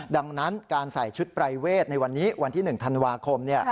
ดังนั้นการใส่ชุดปลายเวสในวันที่๑ธันวาคม